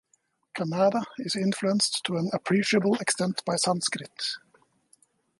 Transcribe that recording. Kannada is influenced to an appreciable extent by Sanskrit.